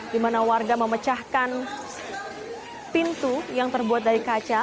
di mana warga memecahkan pintu yang terbuat dari kaca